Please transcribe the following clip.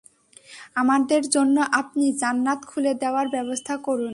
আমাদের জন্য আপনি জান্নাত খুলে দেয়ার ব্যবস্থা করুন!